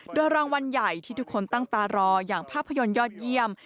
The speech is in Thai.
โดยรางวัลใหญ่ที่ทุกคนตั้งตารออย่างภาพยนตร์ยอดเยี่ยม